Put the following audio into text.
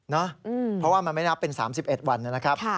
เพราะว่ามันไม่นับเป็น๓๑วันนะครับ